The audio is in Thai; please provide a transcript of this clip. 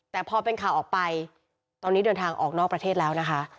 แต่พอเป็นข่าวออกไปตอนนี้เดินทางออกนอกประเทศแล้วนะคะ